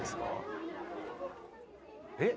えっ？